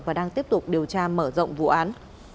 và đang tiếp tục điều tra mở rộng vụ án